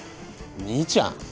兄ちゃん？